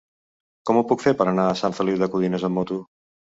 Com ho puc fer per anar a Sant Feliu de Codines amb moto?